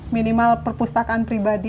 minimal perpustakaan pribadi